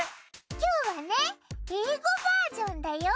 きょうはねえいごバージョンだよ。